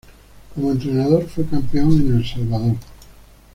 Como entrenador fue campeón en El Salvador.